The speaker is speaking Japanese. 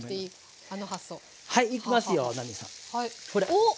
おっ。